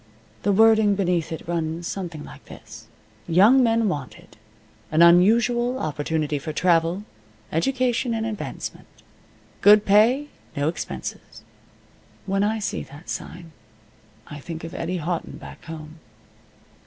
The wording beneath it runs something like this: "Young men wanted. An unusual opportunity for travel, education and advancement. Good pay. No expenses." When I see that sign I think of Eddie Houghton back home.